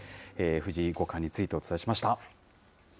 藤井五冠についてお伝えしました。